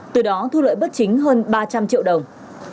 từ đó thu lợi bất chính hơn ba trăm linh triệu đồng